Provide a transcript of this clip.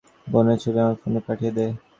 বোনের ছবি আমার ফোনে পাঠিয়ে দে।